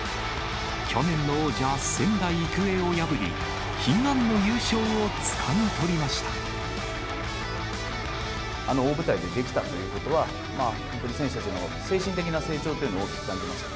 去年の王者、仙台育英を破り、あの大舞台でできたっていうことは、本当に選手たちの精神的な成長というのを大きく感じました。